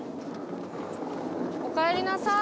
おかえりなさい。